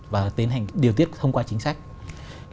và tiến hành điều tiết thông qua chính sách